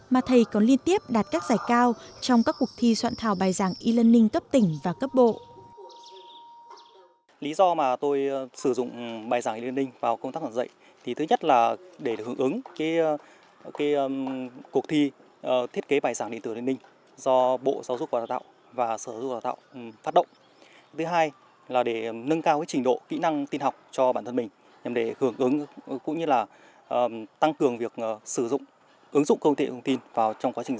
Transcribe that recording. mà thầy còn liên tiếp đạt các giải cao trong các cuộc thi soạn thảo bài giảng e learning cấp tỉnh và cấp bộ